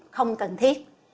không cần thiết